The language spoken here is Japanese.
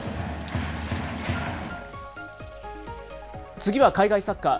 次は海外サッカー。